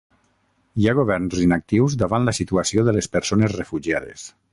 Hi ha governs inactius davant la situació de les persones refugiades.